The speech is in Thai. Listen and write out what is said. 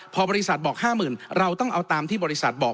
พอบริษัทบอก๕๐๐๐เราต้องเอาตามที่บริษัทบอก